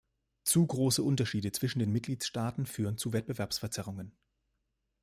Zu große Unterschiede zwischen den Mitgliedstaaten führen zu Wettbewerbsverzerrungen.